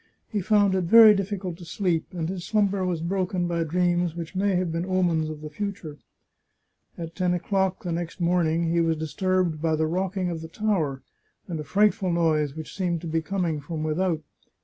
He found it very difficult to sleep, and his slumber was broken by dreams which may have been omens of the future. At ten o'clock next morn ing, he was disturbed by the rocking of the tower, and a frightful noise which seemed to be coming from without.